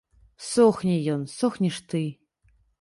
Сохне ён, сохнеш ты.